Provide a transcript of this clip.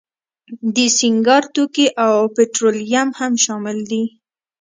د سینګار توکي او پټرولیم هم شامل دي.